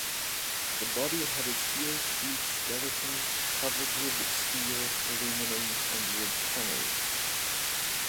The body had a steel tubes skeleton, covered with steel, aluminum and wood panels.